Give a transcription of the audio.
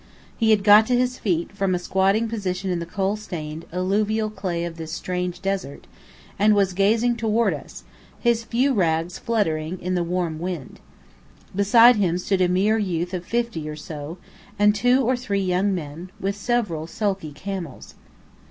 He had got to his feet, from a squatting position in the coal stained, alluvial clay of this strange desert, and was gazing toward us, his few rags fluttering in the warm wind. Beside him stood a mere youth of fifty or so, and two or three young men, with several sulky camels.